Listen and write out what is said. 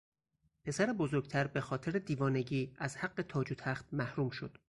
پسر بزرگتر به خاطر دیوانگی از حق تاج و تخت محروم شد.